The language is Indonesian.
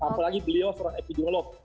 apalagi beliau seorang epidemiolog